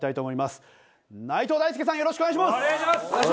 よろしくお願いします。